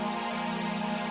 dan menghentikan raiber